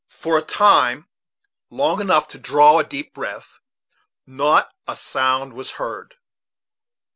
For a time long enough to draw a deep breath, not a sound was heard.